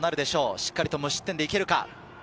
しっかりと無失点でいけるか。